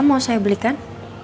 mau saya belikan